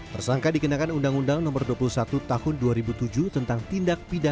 tersangka dikenakan undang undang no dua puluh satu tahun dua ribu tujuh tentang tindak pidana